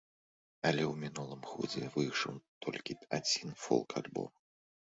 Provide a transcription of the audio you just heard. Але ў мінулым годзе выйшаў толькі адзін фолк-альбом.